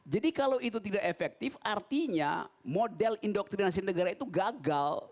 kalau itu tidak efektif artinya model indoktrinasi negara itu gagal